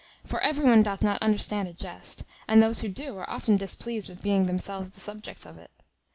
For every one doth not understand a jest; and those who do are often displeased with being themselves the subjects of it.